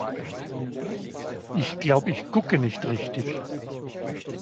Ich glaub, ich gucke nicht richtig!